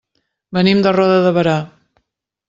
Venim de Roda de Berà.